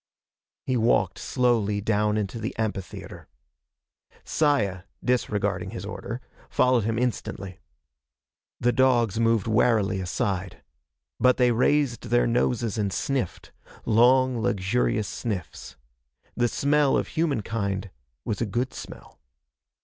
He walked slowly down into the amphitheater. Saya, disregarding his order, followed him instantly. The dogs moved warily aside. But they raised their noses and sniffed long, luxurious sniffs. The smell of humankind was a good smell.